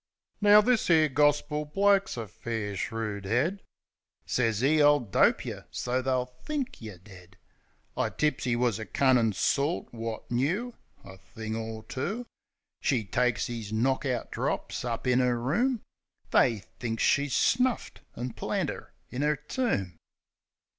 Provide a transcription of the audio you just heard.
Now, this 'ere gorspil bloke's a fair shrewd 'ead. Sez 'e "I'll dope yeh, so they'll think yer dead." (I tips 'e was a cunnin' sort, wot knoo A thing or two). She takes 'is knock out drops, up in 'er room: They think she's snuffed, an' plant 'er in 'er tomb.